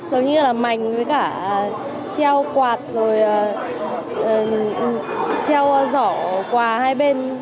giống như là mảnh với cả treo quạt rồi treo giỏ quà hai bên